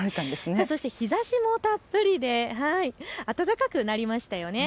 日ざしもたっぷりで暖かくなりましたよね。